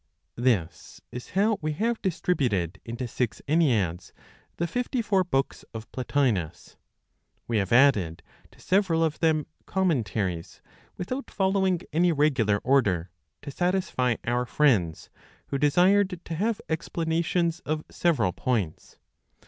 This is how we have distributed into six Enneads the fifty four books of Plotinos. We have added to several of them, Commentaries, without following any regular order, to satisfy our friends who desired to have explanations of several points.